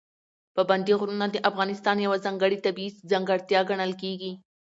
پابندي غرونه د افغانستان یوه ځانګړې طبیعي ځانګړتیا ګڼل کېږي.